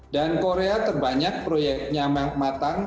dan korea terbanyak proyeknya matang